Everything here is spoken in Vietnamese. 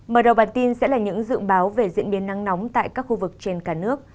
mở đầu bản tin sẽ là những dự báo về diễn biến nắng nóng tại các khu vực trên cả nước